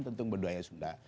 tentu berduanya sunda